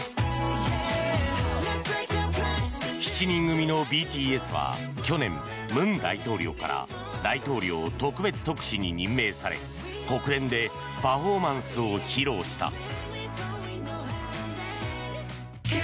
７人組のＢＴＳは去年、文大統領から大統領特別特使に任命され国連でパフォーマンスを披露した。